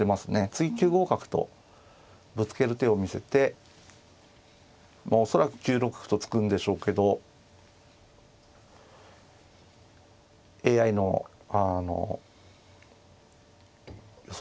次９五角とぶつける手を見せて恐らく９六歩と突くんでしょうけどＡＩのあの予想手を見るとね。